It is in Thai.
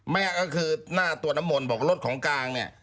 แม่ก็คือหน้าตัวน้ำมนต์บอกรถของกลางเนี่ย